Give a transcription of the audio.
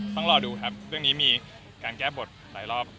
ต้องรอดูครับเรื่องนี้มีการแก้บทหลายรอบ